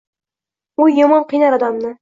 O’y yomon qiynar odamni.